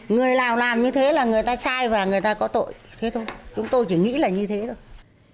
người nào làm như thế là người ta sai và người ta có tội thế thôi chúng tôi chỉ nghĩ là như thế thôi